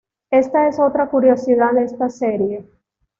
Esta es otra curiosidad de esta serie.